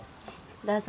どうぞ。